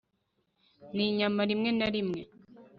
ninyama rimwe na rimwe